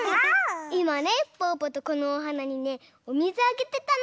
いまねぽぅぽとこのおはなにねおみずあげてたの。